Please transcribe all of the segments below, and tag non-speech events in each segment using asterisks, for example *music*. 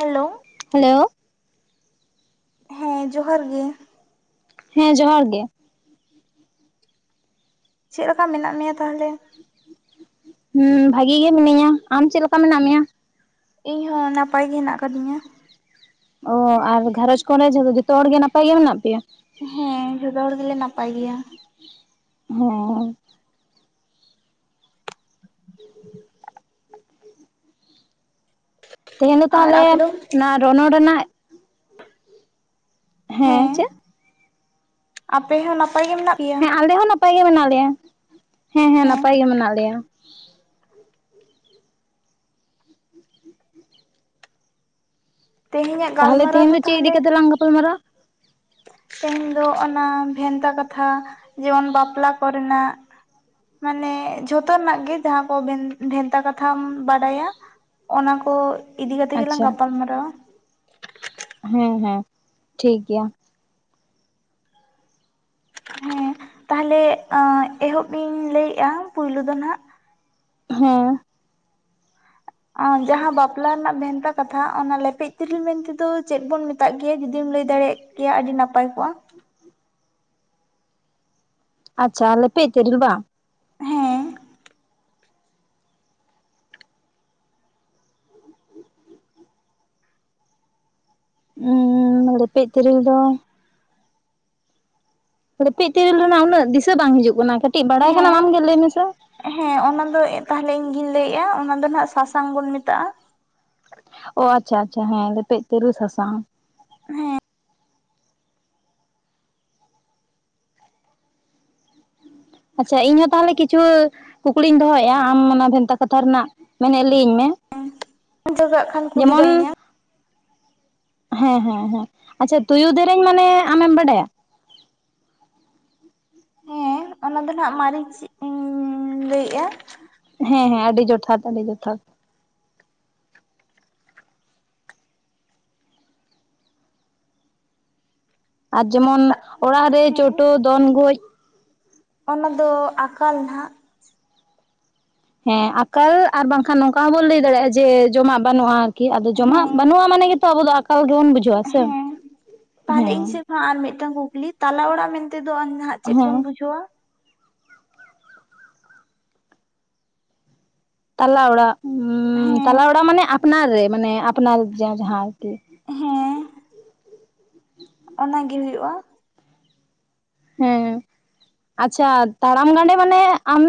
Hello hello ᱦᱮᱸ ᱡᱚᱦᱟᱨ ᱜᱮ᱾ ᱦᱮᱸ ᱡᱚᱦᱟᱨ ᱜᱮ᱾ ᱪᱮᱫ ᱞᱮᱠᱟ ᱢᱮᱱᱟᱜ ᱢᱮᱭᱟ ᱛᱟᱦᱚᱞᱮ? ᱦᱩᱸ ᱵᱷᱟᱜᱤ ᱜᱮ ᱢᱤᱱᱟᱹᱧᱟ᱾ ᱟᱢ ᱪᱮᱫ ᱞᱮᱠᱟ ᱢᱮᱱᱟᱜ ᱢᱮᱭᱟ᱾ ᱤᱧ ᱦᱚᱸ ᱱᱟᱯᱟᱭ ᱜᱮ ᱦᱮᱱᱟᱜ ᱟᱠᱟᱫᱤᱧᱟ᱾ ᱚ ᱟᱨ ᱜᱸᱷᱟᱨᱚᱡᱽ ᱠᱚᱨᱮ ᱡᱚᱛᱚ ᱦᱚᱲ ᱜᱮ ᱱᱟᱯᱟᱭ ᱜᱮ ᱢᱮᱱᱟᱜ ᱯᱮᱭᱟ᱾ ᱦᱮᱸ ᱡᱚᱛᱚ ᱦᱚᱲ ᱜᱮᱞᱮ ᱱᱟᱯᱟᱭ ᱜᱮᱭᱟ᱾ ᱦᱚᱸ ᱛᱮᱦᱮᱧ ᱫᱚ ᱟᱨ ᱛᱟᱦᱚᱞᱮ ᱟᱯᱮ ᱫᱚ? ᱚᱱᱟ ᱨᱚᱱᱚᱲ ᱨᱮᱱᱟᱜ ᱦᱮᱸ ᱟᱯᱮ ᱦᱚᱸ ᱱᱟᱯᱟᱭ ᱜᱮ ᱢᱮᱱᱟᱜ ᱯᱮᱭᱟ ᱦᱮᱸ ᱟᱞᱮ ᱦᱚᱸ ᱱᱟᱯᱟᱭ ᱜᱮ ᱢᱮᱱᱟᱜ ᱞᱮᱭᱟ᱾ ᱦᱮᱸ ᱦᱮᱸ ᱱᱟᱯᱟᱭ ᱜᱮ ᱢᱮᱱᱟᱜ ᱞᱮᱭᱟ᱾ *inaudible* ᱛᱮᱦᱮᱧᱟᱜᱼᱟ ᱛᱟᱦᱚᱞᱮ ᱜᱟᱞᱢᱟᱨᱟᱣ ᱛᱮᱦᱮᱧ ᱫᱚ ᱪᱮᱫ ᱤᱫᱤ ᱛᱟᱦᱚᱞᱮ ᱠᱟᱛᱮ ᱞᱟᱝ ᱜᱟᱯᱟᱞ ᱢᱟᱨᱟᱜᱼᱟ? ᱛᱮᱦᱮᱧ ᱫᱚ ᱚᱱᱟ ᱵᱷᱮᱱᱛᱟ ᱠᱟᱛᱷᱟ ᱡᱮᱢᱚᱱ ᱵᱟᱯᱞᱟ ᱠᱚᱨᱮᱱᱟᱜ ᱢᱟᱱᱮ ᱡᱷᱚᱛᱚ ᱨᱮᱱᱟᱜ ᱜᱮ ᱡᱟᱦᱟᱸ ᱠᱚ ᱵᱷᱮᱱᱛᱟ ᱠᱟᱛᱷᱟᱢ ᱵᱟᱰᱟᱭᱟ᱾ ᱚᱱᱟ ᱠᱚ ᱤᱫᱤ ᱠᱟᱛᱮ ᱜᱮᱞᱟᱝ ᱟᱪᱪᱷᱟ ᱜᱟᱯᱟᱞ ᱢᱟᱨᱟᱣᱼᱟ᱾ ᱦᱮᱸ ᱦᱮᱸ ᱴᱷᱤᱠ ᱜᱮᱭᱟ᱾ ᱦᱮᱸ ᱛᱟᱦᱚᱞᱮ ᱟᱸ ᱮᱦᱚᱵ ᱤᱧ ᱞᱟᱹᱭᱮᱫᱼᱟ᱾ ᱯᱩᱭᱞᱩ ᱫᱚ ᱦᱱᱟᱜ ᱦᱮᱸ ᱟᱸ ᱡᱟᱦᱟᱸ ᱵᱟᱯᱞᱟ ᱨᱮᱱᱟᱜ ᱵᱷᱮᱱᱛᱟ ᱠᱟᱛᱷᱟ, ᱚᱱᱟ ᱞᱮᱯᱮᱡ ᱛᱤᱨᱤᱞ ᱢᱮᱱᱛᱮ ᱫᱚ ᱪᱮᱫ ᱵᱚᱱ ᱢᱮᱛ ᱛᱟᱜ ᱢᱮᱛᱟᱜ ᱜᱮᱭᱟ ᱡᱩᱫᱤᱢ ᱞᱟᱹᱭ ᱫᱟᱲᱮᱭᱟᱼᱜ ᱠᱤᱭᱟ ᱟᱹᱰᱤ ᱱᱟᱯᱟᱭ ᱠᱚᱜᱼᱟ᱾ ᱟᱪᱪᱷᱟ ᱟᱞᱮᱯᱮ ᱛᱮᱤᱨᱞ ᱵᱟᱝ? ᱦᱮᱸ ᱩᱸ ᱞᱮᱯᱮᱡ ᱛᱮᱤᱨᱤᱞ ᱫᱚ᱾ ᱮᱯᱤᱡ ᱛᱮᱤᱨᱤᱞ ᱨᱮᱱᱟᱜ ᱩᱱᱟᱹᱜ ᱫᱤᱥᱟᱹ ᱵᱟᱝ ᱦᱤᱡᱩᱜ ᱠᱟᱱᱟ᱾ ᱠᱟᱹᱴᱤᱡ ᱵᱟᱲᱟᱭ ᱠᱟᱱᱟᱢ ᱦᱮᱸ ᱟᱢ ᱜᱮᱮ ᱞᱟᱹᱭ ᱢᱮᱥᱮ᱾ ᱦᱮᱸ ᱚᱱᱟ ᱫᱚ ᱛᱟᱦᱚᱞᱮ ᱤᱧ ᱜᱤᱧ ᱞᱟᱹᱭᱮᱫᱼᱟ᱾ ᱚᱱᱟ ᱫᱚ ᱱᱟᱜ ᱥᱟᱥᱟᱝ ᱵᱚᱱ ᱢᱮᱛᱟᱜᱼᱟ᱾ ᱚ ᱟᱪᱪᱷᱟ ᱟᱪᱪᱷᱟ ᱦᱮᱸ ᱞᱮᱯᱮᱡ ᱛᱮᱤᱨᱩ ᱥᱟᱥᱟᱝ᱾ ᱦᱮᱸ ᱟᱪᱪᱷᱟ ᱤᱧᱦ ᱛᱟᱦᱚᱞᱮ ᱠᱤᱪᱷᱩ ᱠᱩᱠᱞᱤᱧ ᱫᱚᱦᱚᱭᱮᱜᱼᱟ᱾ ᱟᱢ ᱚᱱᱟ ᱵᱷᱮᱱᱛᱟ ᱠᱟᱛᱷᱟ ᱨᱮᱱᱟᱜ ᱢᱮᱱᱮᱫ ᱞᱟᱹᱭᱟᱹᱧ ᱢᱮ᱾ ᱡᱚᱜᱟᱜ ᱠᱷᱟᱱ ᱠᱩᱞᱤ ᱡᱮᱢᱚᱱ ᱫᱟᱲᱮᱧᱟ ᱦᱮᱸ- ᱦᱮᱸ ᱦᱮᱸ ᱟᱪᱪᱷᱟ ᱛᱩᱭᱩ ᱫᱮᱨᱮᱧ ᱢᱟᱱᱮ ᱟᱢᱮᱢ ᱵᱟᱰᱟᱭᱟ᱾ ᱦᱮᱸ ᱚᱱᱟ ᱫᱚ ᱱᱟᱜ ᱢᱟᱹᱨᱤᱪ ᱤᱧᱸ ᱞᱟᱹᱭᱮᱜᱼᱟ᱾ ᱦᱮᱸ ᱦᱮᱸ ᱟᱹᱰᱤ ᱡᱚᱛᱷᱟᱛ ᱟᱹᱰᱤ ᱡᱚᱛᱷᱟᱛ᱾ ᱟᱨ ᱡᱮᱢᱚᱱ ᱚᱲᱟᱜ ᱨᱮ ᱦᱮᱸ ᱪᱚᱴᱚ ᱫᱚᱱ ᱜᱳᱡ᱾ ᱚᱱᱟ ᱫᱚ ᱟᱠᱟᱞ ᱱᱟᱦᱟᱼᱜ᱾ ᱦᱮᱸ ᱟᱠᱟᱞ ᱟᱨ ᱵᱟᱝᱠᱷᱟᱱ ᱱᱚᱝᱠᱟ ᱦᱚᱸᱵᱚᱱ ᱞᱟᱹᱭ ᱫᱟᱲᱮᱭᱟᱜᱼᱟ, ᱡᱮ ᱡᱚᱢᱟᱜ ᱵᱟᱹᱱᱩᱜᱼᱟ᱾ ᱠᱤ ᱟᱫᱚ ᱡᱚᱢᱟᱜᱼᱟ ᱦᱮᱸ ᱵᱟᱱᱩᱜ ᱢᱟᱱᱮ ᱜᱮ ᱛᱚ ᱟᱵᱚ ᱫᱚ ᱟᱠᱟᱞ ᱜᱮ ᱵᱟᱱᱜ ᱵᱩᱡᱷᱣᱼᱟ᱾ ᱦᱮᱸ ᱛᱟᱦᱚᱞᱮ ᱤᱧ ᱥᱮᱫ ᱠᱷᱱᱟᱜ ᱟᱨ ᱢᱤᱫᱴᱟᱝ ᱠᱩᱠᱞᱤ᱾ ᱛᱟᱞᱟ ᱚᱲᱟᱜ ᱢᱮᱱᱛᱮᱮᱫᱚ ᱱᱟᱦᱟᱜ ᱪᱮᱫ ᱦᱮᱸ ᱵᱚᱱ ᱵᱩᱡᱷᱟᱹᱣᱼᱟ? ᱛᱟᱞᱟ ᱚᱲᱟᱜ ᱩᱸ ᱦᱮᱸ ᱛᱟᱞᱟ ᱚᱲᱟᱜ ᱢᱟᱱᱮ ᱟᱯᱱᱟᱨ ᱨᱮ ᱢᱟᱱᱮ ᱟᱯᱱᱟᱨ ᱡᱟᱦᱟᱸ ᱡᱟᱦᱟᱸ ᱟᱨᱠᱤ᱾ ᱦᱮᱸ ᱚᱱᱟᱜᱮ ᱦᱩᱭᱩᱜᱼᱟ᱾ ᱦᱩᱸ ᱟᱪᱪᱷᱟ ᱛᱟᱲᱟᱢ ᱜᱟᱸᱰᱮ ᱢᱟᱱᱮ ᱟᱢ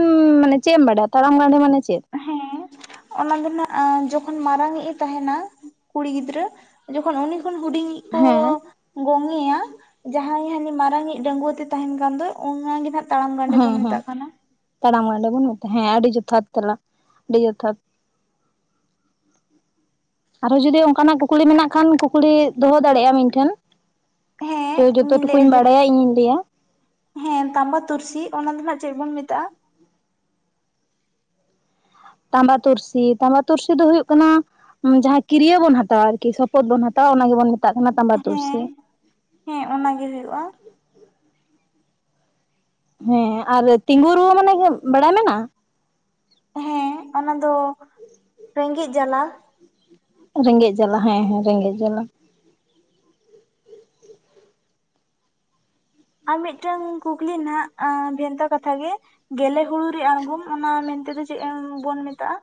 ᱢᱟᱱᱮ ᱪᱮᱫ ᱮᱢ ᱵᱟᱰᱟᱭᱟ᱾ ᱛᱟᱲᱟᱢ ᱜᱟᱸᱰᱮ ᱢᱟᱱᱮ ᱪᱮᱫ? ᱦᱮᱸ ᱚᱱᱟ ᱫᱚ ᱱᱟᱜ ᱡᱚᱠᱷᱚᱱ ᱢᱟᱨᱟᱝᱼᱤᱡ ᱮ ᱛᱟᱦᱮᱱᱟ᱾ ᱠᱩᱲᱤ ᱜᱤᱫᱽᱨᱟᱹ ᱡᱚᱠᱷᱚᱱ ᱩᱱᱤ ᱠᱷᱚᱱ ᱦᱩᱰᱤᱧᱼᱤᱡ ᱠᱚ ᱦᱮᱸ ᱜᱚᱝᱮᱭᱟ ᱡᱟᱦᱟᱸᱭ ᱦᱟᱹᱱᱤ ᱢᱟᱨᱟᱝᱼᱤᱡ ᱰᱟᱺᱜᱩᱭᱣᱟᱹ ᱛᱮ ᱛᱟᱦᱮᱱ ᱠᱟᱱ ᱫᱚᱭ ᱚᱱᱟᱜ ᱜᱮ ᱱᱟᱜ ᱛᱟᱲᱟᱢ ᱜᱟᱸᱰᱮ ᱦᱮᱸ ᱵᱚᱱ ᱦᱮᱸ ᱢᱮᱛᱟᱜ ᱠᱟᱱᱟ ᱾ ᱛᱟᱲᱟᱢ ᱜᱟᱸᱰᱮ ᱵᱚᱱ ᱢᱮᱛᱟᱜᱼᱟ ᱾ᱦᱮᱸ, ᱟᱹᱰᱤ ᱡᱚᱛᱷᱟᱛ ᱛᱮᱞᱟ ᱟᱹᱰᱤ ᱡᱚᱛᱷᱟᱛ ᱟᱨᱦᱚᱸ ᱡᱩᱫᱤ ᱚᱱᱠᱟᱱᱟᱜ ᱠᱩᱠᱞᱤ ᱢᱮᱱᱟᱜ ᱠᱷᱟᱱ, ᱠᱩᱠᱞᱤ ᱫᱚᱦᱚ ᱫᱟᱲᱮᱭᱟᱜᱼᱟ ᱟᱢ ᱤᱧ ᱴᱷᱮᱱ ᱾ ᱦᱮᱸ ᱛᱚ, ᱡᱚᱛᱚ ᱤᱧ ᱴᱩᱠᱩᱧ ᱞᱟᱹᱭᱮᱜᱼᱟ ᱡᱮ ᱵᱟᱲᱟᱭᱟ ᱤᱧᱤᱧ ᱞᱟᱹᱭᱟ ᱾ ᱦᱮᱸ, ᱛᱟᱢᱵᱟ ᱛᱩᱨᱥᱤ ᱚᱱᱟ ᱫᱚ ᱱᱟᱜ ᱪᱮᱫ ᱵᱚᱱ ᱢᱮᱛᱟᱜᱼᱟ? ᱛᱟᱢᱵᱟ ᱛᱩᱨᱥᱤ, ᱛᱟᱢᱵᱟ ᱛᱩᱨᱥᱤ ᱫᱚ ᱦᱩᱭᱩᱜ ᱠᱟᱱᱟ ᱡᱟᱦᱟᱸ ᱠᱤᱨᱤᱭᱟᱹ ᱵᱚᱱ ᱦᱟᱛᱟᱣᱟ ᱟᱨᱠᱤ ᱥᱚᱯᱚᱫ ᱵᱚᱱ ᱦᱟᱛᱟᱣᱟ, ᱚᱱᱟ ᱜᱮᱵᱚᱱ ᱢᱮᱛᱟᱜ ᱠᱟᱱᱟ ᱛᱟᱢᱵᱟ ᱛᱩᱨᱥᱤ ᱦᱮᱸ ᱾ ᱦᱮᱸ, ᱚᱱᱟ ᱜᱮ ᱦᱩᱭᱩᱜᱼᱟ ᱾ ᱦᱮᱸ ᱟᱨ ᱛᱤᱸᱜᱩ ᱨᱩᱣᱟᱹ ᱢᱟᱱᱮ ᱵᱟᱲᱟᱭ ᱢᱮᱱᱟᱜ-ᱟ? ᱦᱮᱸ, ᱚᱱᱟ ᱫᱚ ᱨᱮᱸᱜᱮᱡ ᱡᱟᱞᱟ ᱾ ᱨᱮᱸᱜᱮᱡ ᱡᱟᱞᱟ, ᱦᱮᱸ ᱦᱮᱸ ᱨᱮᱸᱜᱮᱡ ᱡᱟᱞᱟ ᱾ ᱟᱨ ᱢᱤᱫᱴᱟᱝ ᱠᱩᱠᱞᱤ ᱱᱟᱜ, ᱵᱷᱮᱱᱛᱟ ᱠᱟᱛᱷᱟ ᱜᱮ᱾ ᱜᱮᱞᱮ ᱦᱩᱲᱩ ᱨᱮᱭᱟᱜ ᱟᱬᱜᱚᱢ ᱚᱱᱟ ᱢᱮᱱᱛᱮ ᱫᱚ ᱪᱮᱫ ᱵᱚᱱ ᱢᱮᱛᱟᱜᱼᱟ?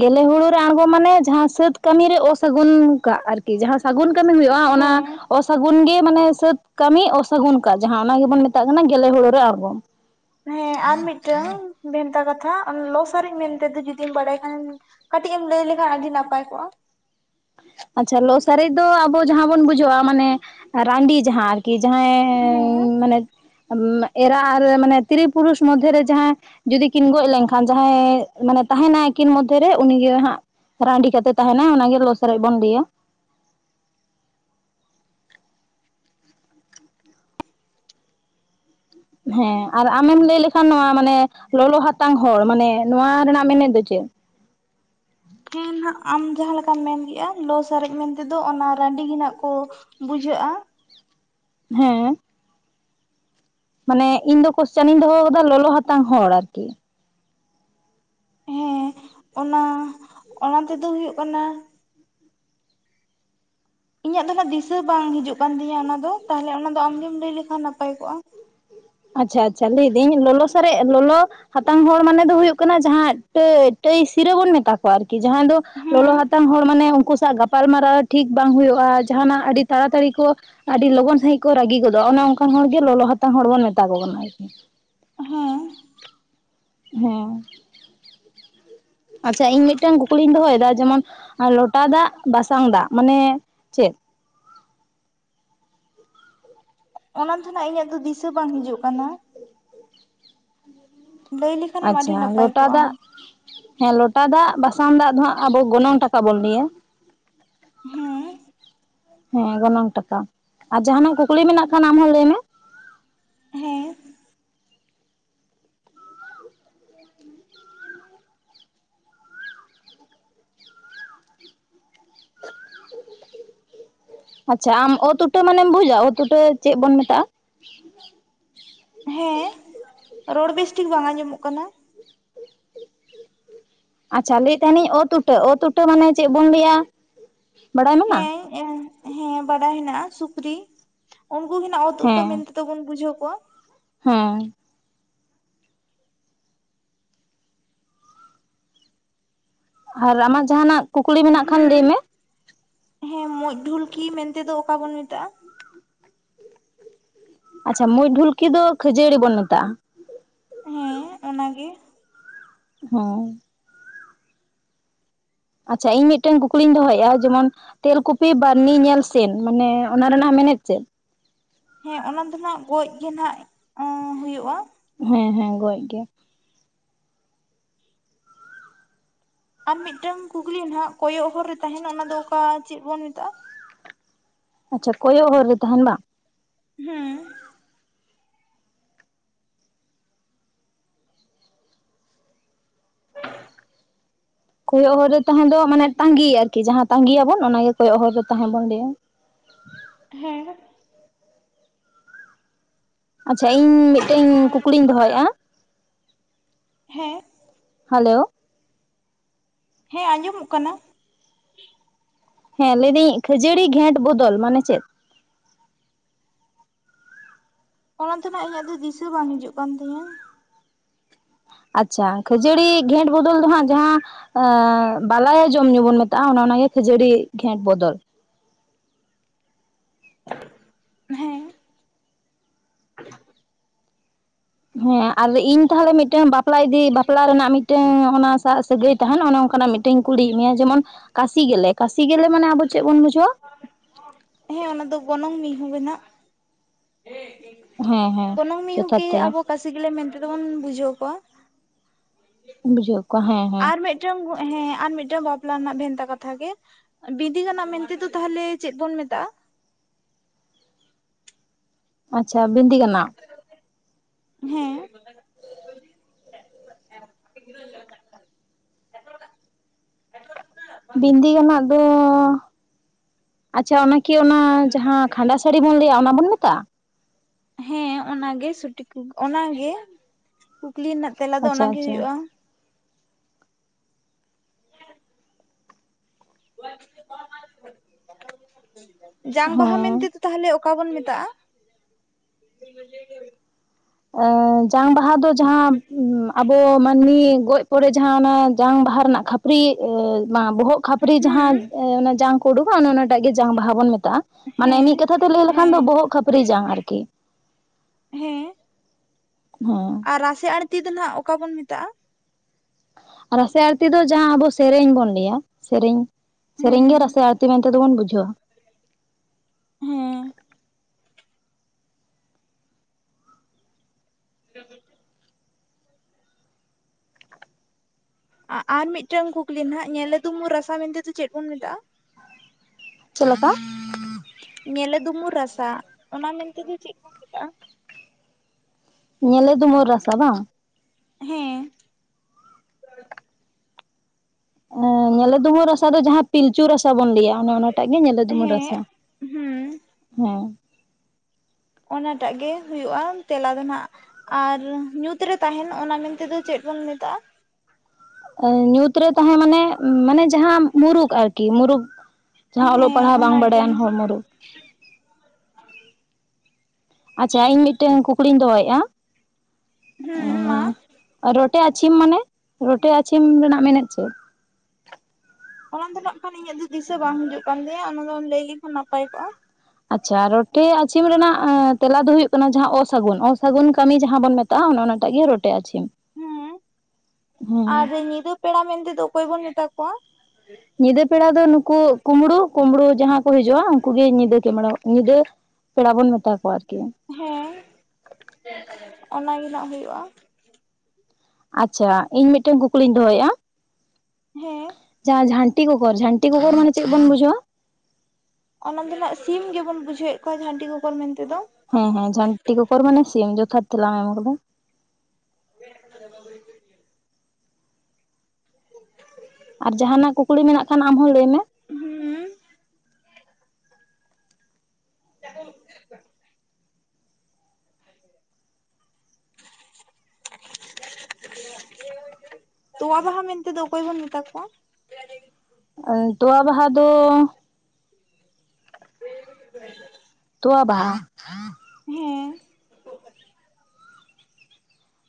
ᱜᱮᱞᱮ ᱦᱩᱲᱩ ᱨᱮ ᱟᱬᱜᱚᱢ ᱢᱟᱱᱮ ᱡᱟᱦᱟᱸ ᱥᱟᱹᱛ ᱠᱟᱹᱢᱤ ᱨᱮ ᱚᱥᱟᱹᱜᱩᱱ ᱠᱟᱜ ᱟᱨᱠ ᱤ ᱡᱟᱦᱟᱸ ᱥᱟᱹᱜᱩᱱ ᱠᱟᱹᱢᱤ ᱦᱩᱭᱩᱜᱼᱟ, ᱚᱱᱟ ᱦᱮᱸ ᱚᱥᱟᱹᱜᱩᱱ ᱜᱮ, ᱢᱟᱱᱮ ᱥᱟᱹᱛ ᱠᱟᱹᱢᱤ ᱚᱥᱟᱹᱜᱩᱱ ᱠᱟᱜ ᱡᱟᱦᱟᱸ ᱚᱱᱟ ᱜᱮᱵᱚᱱ ᱢᱮᱛᱟᱜ ᱠᱟᱱᱟ ᱜᱮᱞᱮ ᱦᱩᱲᱩ ᱨᱮ ᱟᱬᱜᱚᱢ ᱾ ᱦᱮᱸ ᱟᱨ ᱢᱤᱫᱴᱟᱹᱝ ᱵᱷᱮᱱᱛᱟ ᱠᱟᱛᱷᱟ, ᱞᱚ ᱥᱟᱨᱮᱡ ᱢᱮᱱᱛᱮ ᱫᱚ ᱡᱩᱫᱤᱢ ᱵᱟᱲᱟᱭ ᱠᱷᱟᱱ ᱠᱟᱹᱴᱤᱡ ᱮᱢ ᱞᱟᱹᱭ ᱞᱮᱠᱷᱟᱱ ᱟᱹᱰᱤ ᱱᱟᱯᱟᱭ ᱠᱚᱜᱼᱟ ᱾ ᱟᱪᱪᱷᱟ, ᱞᱚ ᱥᱟᱨᱮᱡ ᱫᱚ ᱟᱵᱚ ᱡᱟᱦᱟᱸ ᱵᱚᱱ ᱵᱩᱡᱷᱟᱹᱣᱟ, ᱢᱟᱱᱮ ᱨᱟᱺᱰᱤ ᱡᱟᱦᱟᱸ, ᱟᱨᱠᱤ ᱦᱮᱸ ᱡᱟᱦᱟᱸᱭ ᱢᱟᱱᱮ ᱮᱨᱟ ᱟᱨ ᱢᱟᱱᱮ ᱛᱨᱤ ᱯᱩᱨᱩᱥ ᱢᱚᱫᱽᱫᱷᱮ ᱨᱮ ᱡᱟᱦᱟᱸᱭ ᱡᱩᱫᱤ ᱠᱤᱱ ᱜᱚᱡ ᱞᱮᱱᱠᱷᱟᱱ ᱡᱟᱦᱟᱸᱭ ᱢᱟᱱᱮ, ᱛᱟᱦᱮᱱᱟᱭ ᱟᱹᱠᱤᱱ ᱢᱚᱫᱽᱫᱷᱮ ᱨᱮ ᱩᱱᱤ ᱜᱮ ᱦᱟᱸᱜ ᱨᱟᱺᱰᱤ ᱠᱟᱛᱮ ᱛᱟᱦᱮᱱᱟᱭ, ᱚᱱᱟ ᱜᱮ ᱞᱚ ᱥᱟᱨᱮᱡ ᱵᱚᱱ ᱞᱟᱹᱭᱟ ᱾ ᱦᱮᱸ ᱟᱨ ᱟᱢᱮᱢ ᱞᱟᱹᱭ ᱞᱮᱠᱷᱟᱱ, ᱱᱚᱣᱟ ᱢᱟᱱᱮ ᱞᱚᱞᱚ ᱦᱟᱛᱟᱝ ᱦᱚᱲ, ᱢᱟᱱᱮ ᱱᱚᱣᱟ ᱨᱮᱱᱟᱜ ᱢᱮᱱᱮᱫ ᱫᱚ ᱪᱮᱫ? ᱦᱮᱸ ᱱᱟᱜ ᱟᱢ ᱡᱟᱦᱟᱸ ᱞᱮᱠᱟᱢ ᱢᱮᱱ ᱠᱮᱫᱼᱟ, ᱞᱚ ᱥᱟᱨᱮᱡ ᱢᱮᱱᱛᱮ ᱫᱚ ᱚᱱᱟ ᱨᱟᱺᱰᱤ ᱜᱮ ᱱᱟᱜ ᱠᱚ ᱵᱩᱡᱷᱟᱹᱜᱼᱟ ᱾ ᱦᱮᱸ ᱾ ᱢᱟᱱᱮ ᱤᱧ ᱫᱚ ᱠᱚᱥᱪᱟᱱᱤᱧ ᱫᱚᱦᱚ ᱟᱠᱟᱫᱟ ᱞᱚᱞᱚ ᱦᱟᱛᱟᱝ ᱦᱚᱲ, ᱟᱨᱠᱤ ᱾ ᱦᱮᱸ ᱚᱱᱟ, ᱚᱱᱟᱛᱮ ᱫᱚ ᱦᱩᱭᱩᱜ ᱠᱟᱱᱟ ᱤᱧᱟᱹᱜ ᱫᱚ ᱱᱟᱜ ᱫᱤᱥᱟᱹ ᱵᱟᱝ ᱦᱤᱡᱩᱜ ᱠᱟᱱ ᱛᱤᱧᱟᱹ ᱚᱱᱟ ᱫᱚ ᱾ ᱛᱟᱦᱚᱞᱮ ᱚᱱᱟ ᱫᱚ ᱟᱢᱜᱮᱢ ᱞᱟᱹᱭ ᱞᱮᱠᱷᱟᱱ ᱱᱟᱯᱟᱭ ᱠᱚᱜᱼᱟ᱾ ᱟᱪᱪᱷᱟ ᱟᱪᱪᱷᱟ, ᱞᱟᱹᱭ ᱮᱫᱟᱹᱧ ᱞᱚᱞᱚ ᱥᱟᱨᱮᱡ ᱞᱚᱞᱚ ᱦᱟᱛᱟᱝ ᱦᱚᱲ ᱢᱟᱱᱮ ᱫᱚ ᱦᱩᱭᱩᱜ ᱠᱟᱱᱟ, ᱡᱟᱦᱟᱸ ᱴᱟᱹᱭ, ᱴᱟᱹᱭ ᱥᱤᱨᱟᱹ ᱵᱚᱱ ᱢᱮᱛᱟ ᱠᱚᱣᱟ ᱟᱨᱠᱤ, ᱡᱟᱦᱟᱸᱭ ᱫᱚ ᱞᱚᱞᱚ ᱦᱮᱸ ᱦᱟᱛᱟᱝ ᱦᱚᱲ ᱢᱟᱱᱮ ᱩᱱᱠᱩ ᱥᱟᱜ ᱜᱟᱯᱟᱞᱢᱟᱨᱟᱣ ᱴᱷᱤᱠ ᱵᱟᱝ ᱦᱩᱭᱩᱜᱼᱟ, ᱡᱟᱦᱟᱱᱟᱜ ᱟᱹᱰᱤ ᱛᱟᱲᱟᱛᱟᱲᱤ ᱠᱚ ᱟᱹᱰᱤ ᱞᱚᱜᱚᱱ ᱥᱟᱹᱦᱤᱡ ᱠᱚ ᱨᱟᱹᱜᱤ ᱜᱚᱫᱚᱜᱼᱟ, ᱚᱱᱮ ᱚᱱ ᱠᱟᱱ ᱦᱚᱲ ᱜᱮ ᱞᱚᱞᱚ ᱦᱟᱛᱟᱝ ᱦᱚᱲ ᱵᱚᱱ ᱢᱮᱛᱟ ᱠᱚ ᱠᱟᱱᱟ, ᱟᱨᱠᱤ ᱾ ᱦᱮᱸ ᱾ ᱦᱮᱸ ᱾ ᱟᱪᱪᱷᱟ, ᱤᱧ ᱢᱤᱫᱴᱟᱹᱝ ᱠᱩᱠᱞᱤᱧ ᱫᱚᱦᱚᱭᱮᱫᱟ ᱡᱮᱢᱚᱱ ᱞᱚᱴᱟ ᱫᱟᱜ, ᱵᱟᱥᱟᱝ ᱫᱟᱜ ᱢᱟᱱᱮ ᱪᱮᱫ? ᱚᱱᱟ ᱫᱚ ᱱᱟᱜ ᱤᱧᱟᱹᱜ ᱫᱚ ᱫᱤᱥᱟᱹ ᱵᱟᱝ ᱦᱤᱡᱩᱜ ᱠᱟᱱᱟ ᱾ ᱞᱟᱹᱭ ᱞᱮᱠ ᱟᱪᱪᱷᱟ, ᱞᱚᱴᱟ ᱫᱟᱜ ᱦᱮᱸ, ᱞᱚᱴᱟ ᱫᱟᱜ ᱵᱟᱥᱟᱝ ᱫᱟᱜ ᱫᱚ ᱦᱟᱸᱜ ᱟᱵᱚ ᱜᱚᱱᱚᱝ ᱴᱟᱠᱟ ᱵᱚᱱ ᱞᱟᱹᱭᱟ ᱾ ᱦᱮᱸ ᱾ ᱦᱮᱸ, ᱜᱚᱱᱚᱝ ᱴᱟᱠᱟ ᱟᱨ ᱡᱟᱦᱱᱟᱜ ᱠᱩᱠᱞᱤ ᱢᱮᱱᱟᱜ ᱠᱷᱟᱱ ᱟᱢ ᱦᱚᱸ ᱞᱟᱹᱭ ᱢᱮ ᱾ ᱦᱮᱸ ᱟᱪᱪᱷᱟ, ᱟᱢ ᱚᱛ ᱩᱴᱟᱹ ᱢᱟᱱᱮᱢ ᱵᱩᱡᱟ ᱚᱛ ᱩᱴᱟᱹ ᱪᱮᱫ ᱵᱚᱱ ᱢᱮᱛᱟᱜᱼᱟ? *unintelligible* ᱦᱮᱸ, ᱨᱚᱲ ᱵᱮᱥ ᱴᱷᱤᱠ ᱵᱟᱝ ᱟᱸᱡᱚᱢᱚᱜ ᱠᱟᱱᱟ ᱾ ᱟᱪᱪᱷᱟ, ᱞᱟᱹᱭᱮᱫ ᱛᱟᱦᱮᱱ ᱤᱧ ᱚᱛ ᱩᱴᱟᱹ, ᱚᱛ ᱩᱴᱟᱹ ᱢᱟᱱᱮ ᱪᱮᱫ ᱵᱚᱱ ᱞᱟᱹᱭᱟ? ᱵᱟᱲᱟᱭ ᱢᱮᱱᱟᱜᱼᱟ ᱦᱮᱸ, ᱦᱮᱸ ᱵᱟᱰᱟᱭ ᱦᱮᱱᱟᱜᱼᱟ ᱥᱩᱠᱨᱤ, ᱩᱱᱠᱩ ᱜᱮ ᱱᱟᱜ ᱚᱛ ᱩᱴᱟᱹ ᱦᱮᱸ ᱢᱮᱱᱛᱮ ᱫᱚᱵᱚᱱ ᱵᱩᱡᱟᱹᱣ ᱠᱚᱣᱟ ᱾ ᱦᱮᱸ ᱾ ᱟᱨ ᱟᱢᱟᱜ ᱡᱟᱦᱟᱸᱱᱟᱜ ᱠᱩᱠᱞᱤ ᱢᱮᱱᱟᱜ ᱠᱷᱟᱱ ᱦᱩᱸ ᱞᱟᱹᱭ ᱢᱮ᱾ ᱦᱮᱸ ᱢᱩᱸᱡᱽ ᱰᱷᱩᱞᱠᱤ ᱢᱮᱱᱛᱮ ᱫᱚ ᱚᱠᱟ ᱵᱚᱱ ᱢᱮᱛᱟᱜᱼᱟ? ᱟᱪᱪᱷᱟ ᱢᱩᱸᱡ ᱰᱷᱩᱞᱠᱤ ᱫᱚ ᱠᱷᱟᱹᱡᱟᱹᱲᱤ ᱵᱚᱱ ᱢᱮᱛᱟᱜᱼᱟ᱾ ᱦᱮᱸ ᱚᱱᱟᱜᱮ᱾ *unintelligible* ᱟᱪᱪᱷᱟ ᱤᱧ ᱢᱤᱫᱴᱮᱱ ᱠᱩᱠᱞᱤᱧ ᱫᱚᱦᱚᱭᱮᱫᱼᱟ ᱡᱮᱢᱚᱱᱼᱼ ᱛᱮᱞᱠᱩᱯᱤ ᱵᱟᱨᱱᱤ ᱧᱮᱞ ᱥᱮᱱ ᱢᱟᱱᱮ ᱚᱱᱟ ᱨᱮᱱᱟᱜ ᱢᱮᱱᱮᱫ ᱪᱮᱫ‍? ᱦᱮᱸ ᱚᱱᱟ ᱫᱚ ᱱᱟᱜ ᱜᱚᱡ ᱜᱮ ᱱᱟᱜ ᱦᱩᱭᱩᱜᱼᱟ᱾ ᱦᱮᱸ ᱦᱮᱸ ᱜᱚᱡ ᱜᱮ᱾ ᱟᱨ ᱢᱤᱫᱴᱟᱝ ᱠᱩᱠᱞᱤ ᱱᱟᱦᱟᱜ ᱠᱚᱭᱚᱜ ᱦᱚᱨ ᱨᱮ ᱛᱟᱦᱮᱱᱟ ᱚᱱᱟ ᱫᱚ ᱚᱠᱟ ᱪᱮᱫ ᱵᱚᱱ ᱢᱮᱛᱟᱜᱼᱟ? ᱟᱪᱪᱷᱟ ᱠᱚᱭᱚᱜ ᱦᱚᱨ ᱨᱮ ᱛᱟᱦᱮᱱ ᱵᱟᱝ? ᱦᱮᱸ᱾ ᱠᱚᱭᱚᱜ ᱦᱚᱨ ᱨᱮ ᱛᱟᱦᱮᱸ ᱫᱚ ᱢᱟᱱᱮ ᱛᱟᱸᱜᱤ ᱟᱨᱠᱤ ᱡᱟᱦᱟᱸ ᱛᱟᱸᱜᱤᱭᱟᱵᱚᱱ ᱚᱱᱟᱜᱮ ᱠᱚᱭᱚᱜ ᱦᱚᱨ ᱨᱮ ᱛᱟᱦᱮᱸ ᱵᱚᱱ ᱞᱟᱹᱭᱟ ᱾ ᱦᱮᱸ᱾ ᱟᱪᱪᱷᱟ ᱤᱧ ᱢᱤᱫᱴᱮᱱ ᱠᱩᱠᱞᱤᱧ ᱫᱚᱦᱚᱭᱮᱜᱼᱟ᱾ ᱦᱮᱸ᱾ ᱦᱮᱞᱳ? ᱦᱮᱸ ᱟᱡᱚᱢᱚᱜ ᱠᱟᱱᱟ᱾ ᱦᱮᱸ ᱞᱟᱹᱭᱫᱟᱹᱧ ᱠᱷᱟᱹᱡᱟᱹᱲᱤ ᱜᱷᱮᱸᱴ ᱵᱚᱫᱚᱞ ᱢᱟᱱᱮ ᱪᱮᱫ? ᱚᱱᱟ ᱫᱚ ᱱᱟᱦᱟᱜ ᱤᱧᱟᱹᱜ ᱫᱚ ᱫᱤᱥᱟᱹ ᱵᱟᱝ ᱦᱤᱡᱩᱜ ᱠᱟᱱ ᱛᱤᱧᱟᱹ᱾ ᱟᱪᱪᱷᱟ ᱠᱷᱟᱹᱡᱟᱹᱲᱤ ᱜᱷᱮᱴ ᱵᱚᱫᱚᱞ ᱫᱚ ᱦᱟᱜ ᱡᱟᱦᱟᱸ ᱟᱸ ᱵᱟᱞᱟᱭᱟ ᱡᱚᱢ ᱧᱩ ᱵᱚᱱ ᱢᱮᱛᱟᱜᱼᱟ, ᱚᱱᱮ ᱚᱱᱟ ᱜᱮ ᱠᱷᱟᱹᱡᱟᱹᱲᱤ ᱜᱷᱮᱸᱴ ᱵᱚᱫᱚᱞ ᱦᱮᱸ᱾ *inaudible* ᱦᱮᱸ ᱟᱨ ᱤᱧ ᱛᱟᱦᱚᱞᱮ ᱢᱤᱫᱴᱟᱝ ᱵᱟᱯ ᱵᱟᱯᱞᱟ ᱤᱫᱤ ᱵᱟᱯᱞᱟ ᱨᱮᱱᱟᱜ ᱢᱤᱫᱴᱟᱝ ᱚᱱᱟ ᱥᱟᱟᱜ ᱥᱟᱹᱜᱟᱹᱭ ᱛᱟᱦᱮᱱᱟ ᱚᱱᱮ ᱚᱱᱠᱟᱱᱟᱜ ᱢᱤᱫᱴᱟᱝ ᱠᱩᱞᱤᱭᱮᱫ ᱢᱮᱭᱟ, ᱡᱮᱢᱚᱱ ᱠᱟᱥᱤ ᱜᱮᱞᱮ ᱠᱟᱥᱤ ᱜᱮᱞᱮ ᱢᱟᱱᱮ ᱟᱵᱚ ᱪᱮᱫ ᱵᱚᱱ ᱵᱩᱡᱷᱟᱹᱣᱟ ᱦᱮᱸ ᱚᱱᱟ ᱫᱚ ᱜᱚᱱᱚᱝ ᱢᱤᱦᱩ ᱜᱮ ᱱᱟᱸᱜ᱾ ᱦᱮᱸ ᱦᱮᱸ ᱜᱚᱱᱚᱝ ᱡᱚᱛᱷᱟᱛ ᱢᱤᱦᱩᱠᱤ ᱛᱮᱞᱟ ᱟᱵᱚ ᱠᱟᱥᱤ ᱜᱮᱞᱮ ᱢᱮᱱᱛᱮᱫ ᱵᱚᱱ ᱵᱩᱡᱷᱟᱹᱣ ᱠᱚᱣᱟ᱾ ᱵᱩᱡᱷᱟᱹᱣ ᱠᱚᱣᱟ ᱦᱮᱸ᱾ ᱢᱮᱫᱴᱮᱱ ᱦᱮᱸ ᱟᱨ ᱢᱤᱫᱴᱟᱝ ᱵᱟᱯᱞᱟ ᱨᱮᱱᱟᱜ ᱵᱷᱮᱱᱛᱟ ᱠᱟᱛᱷᱟ ᱜᱮ ᱵᱤᱫᱤ ᱜᱟᱱᱟᱜ ᱢᱮᱱᱛᱮ ᱫᱚ ᱛᱟᱦᱞᱮ ᱪᱮᱫ ᱵᱚᱱ ᱢᱮᱛᱟᱜ-ᱟ? ᱟᱪᱪᱷᱟ, ᱵᱤᱱᱸᱫᱤ ᱠᱟᱱᱟ᱾ ᱦᱮᱸ, ᱵᱤᱱᱫᱤ ᱜᱟᱱᱟᱜ ᱫᱚ ᱟᱪᱪᱷᱟ, ᱚᱱᱟᱠᱤ ᱚᱱᱟ ᱡᱟᱦᱟᱸ ᱠᱷᱟᱸᱰᱟ ᱥᱟᱺᱲᱤ ᱵᱩᱱ ᱞᱟᱹᱭᱟ ᱚᱱᱟ ᱵᱩᱱ ᱢᱮᱛᱟᱜᱼᱟ? ᱦᱮᱸ ᱚᱱᱟ ᱜᱮ ᱥᱩᱴᱤ ᱠᱚ ᱚᱱᱟ ᱜᱮ ᱠᱩᱠᱞᱤ ᱨᱮᱱᱟᱜ ᱛᱮᱞᱟ ᱫᱚ ᱟᱪᱪᱷᱟ ᱚᱱᱟ ᱜᱮ ᱟᱪᱪᱷᱟ ᱦᱩᱭᱩᱜᱼᱟ᱾ ᱡᱟᱝ ᱵᱟᱦᱟ ᱦᱮᱸ ᱢᱮᱱᱛᱮ ᱫᱚ ᱛᱟᱦᱞᱮ ᱚᱠᱟ ᱵᱚᱱ ᱢᱮᱛᱟᱜᱼᱟ? ᱮ ᱡᱟᱝ ᱵᱟᱦᱟ ᱫᱚ ᱡᱟᱦᱟᱸ ᱟᱵᱚ ᱢᱟᱹᱱᱢᱤ ᱜᱚᱡ ᱯᱚᱨᱮ ᱡᱟᱦᱟᱸ ᱚᱱᱟ ᱡᱟᱝ ᱵᱟᱦᱟ ᱨᱮᱱᱟᱜ ᱠᱷᱟᱹᱯᱟᱹᱨᱤ ᱵᱟᱝ ᱵᱚᱦᱚᱜ ᱠᱷᱟᱹᱯᱨᱤ ᱦᱩᱸ ᱡᱟᱦᱟᱸ ᱚᱱᱟ ᱡᱟᱝ ᱠᱚ ᱩᱰᱩᱠᱟ ᱚᱱᱟᱴᱟᱜ ᱜᱮ ᱡᱟᱝ ᱵᱟᱦᱟ ᱵᱚᱱ ᱢᱮᱛᱟᱜ-ᱟ᱾ ᱢᱟᱱᱮ ᱦᱮᱸ ᱢᱤᱫ ᱠᱟᱛᱷᱟ ᱛᱮ ᱞᱟᱹᱭ ᱞᱮᱠᱷᱟᱱ ᱦᱮᱸ ᱫᱚ ᱵᱚᱦᱚᱜ ᱠᱷᱟᱹᱯᱟᱹᱨᱤ ᱡᱟᱝ ᱟᱨᱠᱤ᱾ ᱦᱮᱸ᱾ *unintelligible* ᱟᱨ ᱨᱟᱥᱮ ᱟᱲᱛᱤ ᱫᱚ ᱦᱟᱜ ᱚᱠᱟ ᱵᱚᱱ ᱢᱮᱛᱟᱜ-ᱟ? ᱨᱟᱥᱮ ᱟᱲᱛᱤ ᱫᱚ, ᱡᱟᱦᱟᱸ ᱟᱵᱚ ᱥᱮᱨᱮᱧ ᱵᱚᱱ ᱞᱟᱹᱭᱟ ᱥᱮᱨᱮᱧ ᱥᱮᱨᱮᱧ ᱦᱮᱸ ᱜᱮ ᱨᱟᱥ ᱟᱲᱛᱤ ᱛᱮ ᱢᱮᱱᱛᱮ ᱵᱚᱱ ᱵᱩᱡᱷᱟᱹᱣᱟ᱾ ᱦᱮᱸ, *unintelligible* ᱟᱨ ᱢᱤᱫᱴᱟᱝ ᱠᱩᱠᱞᱤ ᱱᱟᱜ ᱧᱮᱞ ᱟᱫᱢᱩᱨ ᱨᱟᱥᱟ ᱢᱮᱱᱛᱮ ᱫᱚ ᱪᱮᱫ ᱵᱚᱱ ᱢᱮᱛᱟᱜ-ᱟ? ᱪᱮᱫ ᱞᱮᱠᱟ, ᱧᱮᱞᱮ ᱫᱩᱢᱩᱨ ᱨᱟᱥᱟ ᱚᱱᱟ ᱢᱮᱱᱛᱮ ᱫᱚ ᱪᱮᱫ ᱵᱚᱱ ᱢᱮᱛᱟᱜᱼᱟ? ᱧᱮᱞ ᱫᱩᱢᱩᱨ ᱨᱟᱥᱟ ᱵᱟᱝ? ᱦᱮᱸ᱾ ᱟ ᱧᱮᱞᱮ ᱰᱩᱢᱩᱨ ᱨᱟᱥᱟ ᱫᱚ ᱡᱟᱦᱟᱸ ᱯᱤᱞᱪᱩ ᱨᱟᱥᱟ ᱵᱩᱱ ᱞᱟᱹᱭᱟ ᱚᱱᱟ ᱚᱱᱟᱴᱟᱜ ᱜᱮ ᱧᱮᱞᱮ ᱰᱩᱢᱩᱨ ᱦᱮᱸ ᱨᱟᱥᱟ᱾ ᱦᱩᱸ ᱦᱮᱸ᱾ ᱚᱱᱟᱴᱟᱜ ᱜᱮ ᱦᱩᱭᱩᱜᱼᱟ ᱛᱮᱞᱟ ᱫᱚ ᱱᱟᱜ᱾ ᱟᱨ ᱧᱩᱸᱛ ᱨᱮ ᱛᱟᱦᱮᱸᱱ ᱚᱱᱟ ᱢᱮᱱᱛᱮ ᱫᱚ ᱪᱮᱫ ᱵᱚᱱ ᱢᱮᱛᱟᱜᱼᱟ? ᱧᱩᱸᱛ ᱨᱮ ᱛᱟᱦᱮᱸ ᱢᱟᱱᱮ ᱢᱟᱱᱮ ᱡᱟᱦᱟᱸ ᱢᱩᱨᱩᱠ ᱟᱨᱠᱤ ᱢᱩᱨᱩᱠ᱾ ᱡᱟᱦᱟᱸ ᱚᱞᱚᱜ ᱦᱮᱸ ᱯᱟᱲᱦᱟᱜ ᱵᱟᱝ ᱚᱱᱟᱜᱮ ᱵᱟᱲᱟᱭᱟᱱ ᱦᱚᱲ ᱢᱩᱨᱩᱠ᱾ ᱟᱪᱷᱟ ᱤᱧ ᱢᱤᱫᱴᱮᱝ ᱠᱩᱠᱞᱤᱧ ᱫᱚᱦᱚᱭᱮᱫᱼᱟ? ᱦᱩᱸ ᱢᱟ᱾ ᱨᱚᱴᱮ ᱟᱪᱷᱤᱢ ᱢᱟᱱᱮ ᱨᱚᱴᱮ ᱟᱪᱷᱤᱢ ᱨᱮᱱᱟᱜ ᱢᱮᱱᱮᱫ ᱪᱮᱫ? ᱚᱱᱟ ᱫᱚ ᱱᱟᱜᱠᱷᱟᱱ ᱤᱧᱟᱹᱜ ᱫᱚ ᱫᱤᱥᱟᱹ ᱵᱟᱝ ᱦᱤᱡᱩᱜ ᱠᱟᱱ ᱛᱤᱧᱟ, ᱚᱱᱟ ᱫᱚᱢ ᱞᱟᱹᱭ ᱞᱮᱠᱷᱟᱱ ᱱᱟᱯᱟᱭ ᱠᱚᱜᱼᱟ᱾ ᱟᱪᱪᱷᱟ ᱟᱨ ᱨᱚᱴᱮ ᱟᱪᱤᱢ ᱨᱮᱱᱟᱜ ᱛᱮᱞᱟ ᱫᱚ ᱦᱩᱭᱩᱜ ᱠᱟᱱᱟ ᱡᱟᱦᱟᱸ ᱚᱥᱟᱹᱜᱩᱱ ᱚᱥᱟᱹᱜᱩᱱ ᱠᱟᱹᱢᱤ ᱡᱟᱦᱟᱸ ᱵᱚᱱ ᱢᱮᱛᱟ ᱟ ᱚᱱᱚ ᱚᱱᱟᱟᱴᱟᱜ ᱜᱮ ᱨᱚᱴᱮ ᱟᱪᱷᱤᱢ᱾ ᱦᱩᱸ ᱟᱨ ᱧᱤᱫᱟᱹ ᱯᱮᱲᱟ ᱢᱮᱱᱛᱮ ᱫᱚ ᱚᱠᱚᱭ ᱵᱚᱱ ᱢᱮᱛᱟ ᱠᱚᱣᱟ? ᱧᱤᱫᱟᱹ ᱯᱮᱲᱟ ᱫᱚ ᱱᱩᱠᱩ ᱠᱩᱢᱵᱽᱲᱩ ᱠᱩᱢᱵᱽᱲᱩ ᱡᱟᱦᱟᱸ ᱠᱚ ᱦᱤᱡᱩᱜᱼᱟ, ᱩᱱᱠᱩᱩᱜ ᱜᱮ ᱧᱤᱫᱟᱹ ᱠᱮᱢᱲᱟ ᱧᱤᱫᱟᱹ ᱯᱮᱲᱟ ᱵᱚᱱ ᱢᱮᱛᱟ ᱠᱚᱣᱟ ᱟᱨᱠᱤ᱾ ᱦᱮᱸ ᱚᱱᱟ ᱜᱮ ᱱᱟᱜ ᱦᱩᱭᱩᱜᱼᱟ᱾ ᱟᱪᱷᱟ ᱤᱧ ᱢᱤᱫᱴᱮᱱ ᱠᱩᱠᱞᱤᱧ ᱫᱚᱦᱚᱭᱮᱜᱼᱟ᱾ ᱦᱮᱸ᱾ ᱡᱟᱦᱟᱸ ᱡᱷᱟᱱᱴᱤ ᱠᱚᱠᱚᱨ, ᱡᱷᱟᱱᱴᱤ ᱠᱚᱠᱚᱨ ᱢᱟᱱᱮ ᱪᱮᱫ ᱵᱚᱱ ᱵᱩᱡᱷᱟᱹᱣᱟ? ᱚᱱᱟ ᱫᱚ ᱱᱟᱜ ᱥᱤᱢ ᱜᱮᱵᱚᱱ ᱵᱩᱡᱷᱟᱹᱣᱮᱫ ᱠᱚᱣᱟ ᱡᱷᱟᱹᱱᱴᱤ ᱠᱚᱠᱚᱨ ᱢᱮᱱᱛᱮ ᱫᱚ᱾ ᱦᱮᱸ ᱦᱮᱸ ᱡᱷᱟᱹᱱᱴᱤ ᱠᱚᱠᱚᱨ ᱢᱟᱱᱮ ᱥᱤᱢ ᱡᱚᱛᱷᱟᱛ ᱛᱮᱞᱟᱢ ᱮᱢ ᱟᱠᱟᱫᱟ᱾ *unintelligible* *unintelligible* ᱟᱨ ᱡᱟᱦᱟᱸᱱᱟᱜ ᱠᱩᱠᱞᱤ ᱢᱮᱱᱟᱜ ᱠᱷᱟᱱ ᱟᱢ ᱦᱚᱸ ᱞᱟᱹᱭ ᱢᱮ᱾ ᱦᱩᱸ᱾ *unintelligible* *unintelligible* ᱛᱚᱣᱟ ᱵᱟᱦᱟ ᱢᱮᱱᱛᱮ ᱫᱚ ᱚᱠᱚᱭ ᱵᱚᱱ ᱢᱮᱛᱟ ᱠᱚᱣᱟ? ᱚ ᱛᱚᱣᱟ ᱵᱟᱦᱟ ᱫᱚ *unintelligible* ᱛᱚᱣᱟ ᱵᱟᱦᱟ᱾ ᱦᱮᱸ᱾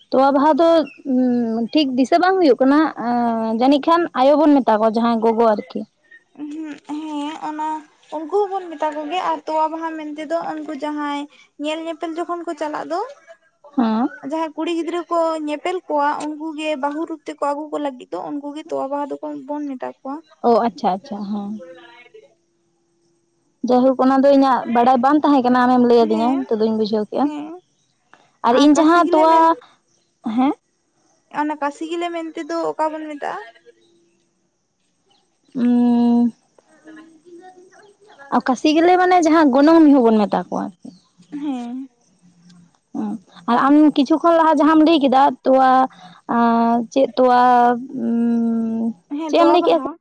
ᱛᱚᱣᱟ ᱵᱟᱦᱟ ᱫᱚ ᱩᱸ ᱴᱷᱤᱠ ᱫᱤᱥᱟᱹ ᱵᱟᱝ ᱦᱩᱭᱩᱜ ᱠᱟᱱᱟ ᱟᱸᱻ ᱡᱟᱹᱱᱤᱡ ᱠᱷᱟᱱ᱾ ᱟᱭᱳ ᱵᱚᱱ ᱢᱮᱛᱟ ᱠᱚᱣᱟ ᱡᱟᱦᱟᱸᱭ ᱜᱚᱜᱚ ᱟᱨᱠᱤ᱾ ᱩᱦᱩᱸᱜ ᱦᱮᱸ ᱚᱱᱟ ᱩᱱᱠᱩ ᱦᱚᱸᱵᱚᱱ ᱢᱮᱛᱟ ᱠᱚᱜᱮᱭᱟ ᱟᱨ ᱛᱳᱣᱟ ᱵᱟᱦᱟ ᱢᱮᱱᱛᱮ ᱫᱚ ᱩᱱᱠᱩ ᱡᱟᱦᱟᱸᱭ ᱧᱮᱞ ᱧᱮᱯᱮᱞ ᱡᱚᱠᱷᱚᱱ ᱠᱚ ᱪᱟᱞᱟᱜ ᱫᱚ ᱦᱮᱸ ᱡᱟᱦᱟᱸᱭ ᱠᱩᱲᱤ ᱜᱤᱫᱽᱨᱟᱹ ᱠᱚ ᱧᱮᱯᱮᱞ ᱠᱚᱣᱟ, ᱩᱱᱠᱩ ᱜᱮ ᱵᱟᱹᱦᱩ ᱨᱩᱯ ᱛᱮᱠᱚ ᱟᱹᱜᱩ ᱠᱚ ᱞᱟᱹᱜᱤᱫ ᱫᱚ, ᱩᱱᱠᱩ ᱜᱮ ᱛᱚᱣᱟ ᱵᱟᱦᱟ ᱫᱚᱠᱚ, ᱵᱚᱱ ᱢᱮᱛᱟ ᱠᱚᱣᱟ᱾ ᱚ ᱟᱪᱷᱟ ᱟᱪᱷᱟ ᱦᱚᱸ᱾ ᱡᱟᱭᱦᱩᱠ ᱚᱱᱟ ᱫᱚ ᱤᱧᱟᱹᱜ ᱵᱟᱰᱟᱭ ᱵᱟᱝ ᱛᱟᱦᱮᱸ ᱠᱟᱱᱟ ᱟᱢᱮᱢ ᱞᱟᱹᱭᱭᱟᱹᱫᱤᱧᱟ ᱦᱮᱸ ᱱᱤᱛᱚ ᱫᱩᱧ ᱵᱩᱡᱷᱟᱹᱣ ᱠᱮᱫᱼᱟ᱾ ᱦᱮᱸ ᱟᱨ ᱤᱧ ᱠᱟᱥᱤ ᱡᱟᱦᱟᱸ ᱜᱮᱞᱮ ᱛᱳᱣᱟ ᱢᱮᱱ ᱦᱮᱸ ᱚᱱᱟ ᱠᱟᱥᱤ ᱜᱮᱞᱮ ᱢᱮᱱᱛᱮ ᱫᱚ ᱚᱠᱟ ᱵᱚᱱ ᱢᱮᱛᱟᱜᱼᱟ? ᱩᱸ *unintelligible* ᱟ ᱠᱟᱥᱤ ᱜᱮᱞᱮ ᱢᱟᱱᱮ ᱡᱟᱦᱟᱸ ᱜᱚᱱᱚᱝ ᱡᱷᱚᱜ ᱵᱚᱱ ᱢᱮᱛᱟ ᱠᱚᱣᱟ᱾ ᱦᱮᱸ᱾ ᱩᱸ ᱟᱨ ᱟᱢ ᱠᱤᱪᱷᱩ ᱠᱷᱚᱱ ᱞᱟᱦᱟ ᱡᱟᱦᱟᱢ ᱞᱟᱹᱭ ᱠᱮᱫ-ᱟ ᱛᱳᱣᱟ ᱟᱸ ᱪᱮᱫ ᱛᱳᱣᱟ? ᱦᱮᱸ, ᱛᱳᱣᱟ ᱵᱟᱦᱟ᱾